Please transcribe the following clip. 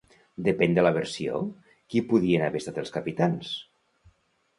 Depèn de la versió, qui podien haver estat els capitans?